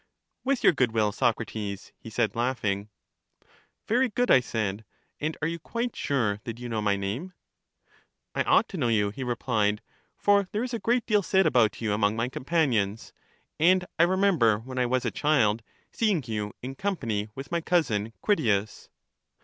With your good will, Socrates, he said, laughing. Very good, I said; and are you quite sure that you know my name? I ought to know you, he replied, for there is a great deal said about you among my companions; and I remember when I was a child seeing you in company with my cousin Critias.